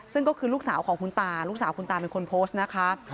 ซึ่งก็คือลูกสาวของคุณตาลูกสาวคุณตาเป็นคนโพสต์นะคะ